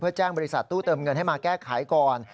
แจ้งบริษัทตู้เติมเงินให้มาแก้ไขก่อน